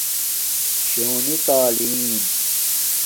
شونی تعلم۔۔